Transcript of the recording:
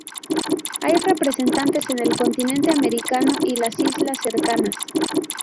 Hay representantes en el continente americano y las islas cercanas.